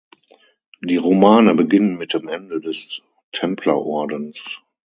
Die Romane beginnen mit dem Ende des Templerordens.